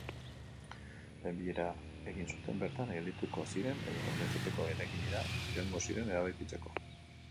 Lehen bilera egin zuten bertan geldituko ziren edo unibertsitateko eraikinera joango ziren erabakitzeko.